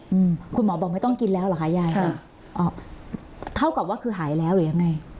อืมคุณหมอบอกไม่ต้องกินแล้วเหรอคะยายค่ะอ๋อเท่ากับว่าคือหายแล้วหรือยังไง